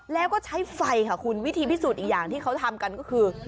แล้วก็ใช้ไฟค่ะคุณวิธีพิสูจน์อีกอย่างที่เขาทำกันก็คือ